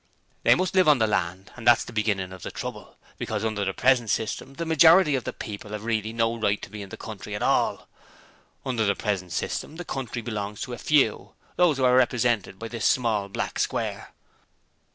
'They must live on the land: and that's the beginning of the trouble; because under the present system the majority of the people have really no right to be in the country at all! Under the present system the country belongs to a few those who are here represented by this small black square.